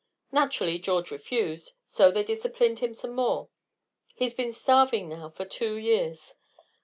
Naturally George refused, so they disciplined him some more. He's been starving now for two years.